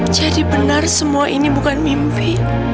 jadi benar semua ini bukan mimpi